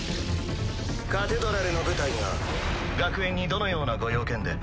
カテドラルの部隊が学園にどのようなご用件で？